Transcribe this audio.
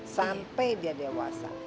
sampai dia dewasa